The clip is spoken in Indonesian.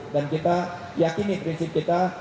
dan kita yakini prinsip kita